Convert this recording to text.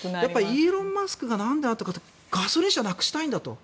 イーロン・マスクがなんでああなったかガソリン車をなくしたいんだと。